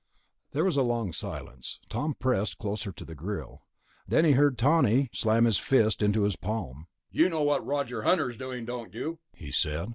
There was a long silence. Tom pressed closer to the grill. Then he heard Tawney slam his fist into his palm. "You know what Roger Hunter's doing, don't you?" he said.